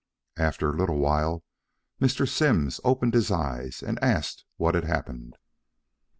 After a little while Mr. Simms opened his eyes and asked what had happened.